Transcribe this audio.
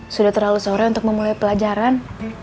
sudah terlalu sore untuk memulai pelajaran